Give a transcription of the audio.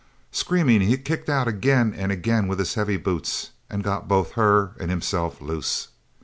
Screaming, he kicked out again and again with his heavy boots, and got both her and himself loose.